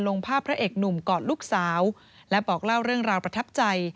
ลงภาพพระเอกหนุ่มกอดลูกสาวและบอกเล่าเรื่องราวประทับใจ